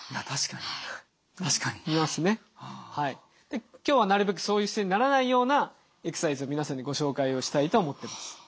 で今日はなるべくそういう姿勢にならないようなエクササイズを皆さんにご紹介をしたいと思っています。